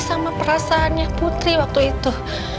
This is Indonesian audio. sama perasaannya putri waktu itu